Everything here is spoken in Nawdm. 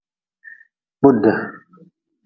Kpude.